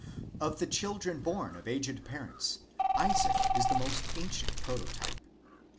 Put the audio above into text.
Of the children born of aged parents, Isaac is the most ancient pro totype.